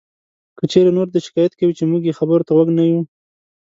که چېرې نور دا شکایت کوي چې مونږ یې خبرو ته غوږ نه یو